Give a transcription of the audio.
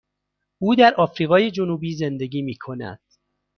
او در آفریقای جنوبی زندگی می کند.